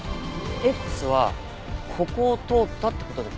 Ｘはここを通ったって事ですか。